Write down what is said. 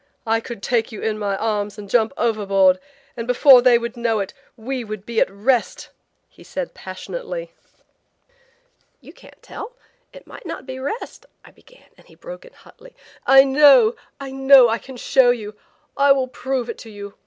I could take you in my arms and jump overboard, and before they would know it we would be at rest," he said passionately. "You can't tell. It might not be rest–" I began and he broke in hotly. "I know, I know. I can show you. I will prove it to you.